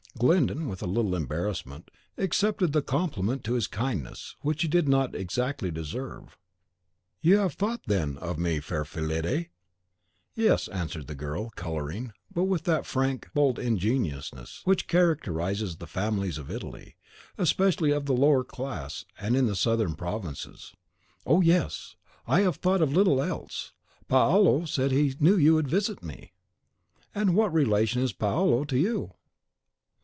Glyndon, with a little embarrassment, accepted the compliment to his kindness, which he did not exactly deserve. "You have thought, then, of me, fair Fillide?" "Yes," answered the girl, colouring, but with that frank, bold ingenuousness, which characterises the females of Italy, especially of the lower class, and in the southern provinces, "oh, yes! I have thought of little else. Paolo said he knew you would visit me." "And what relation is Paolo to you?"